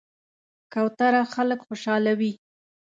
کوتره خلک خوشحالوي.